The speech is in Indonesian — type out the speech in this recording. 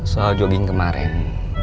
soal jogging kemaren